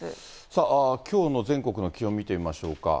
さあ、きょうの全国の気温見てみましょうか。